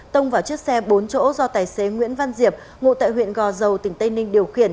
tông vào chiếc xe bốn chỗ do tài xế nguyễn văn diệp ngụ tại huyện gò dầu tỉnh tây ninh điều khiển